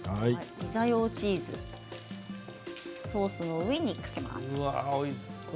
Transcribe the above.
ピザ用チーズソースの上にかけます。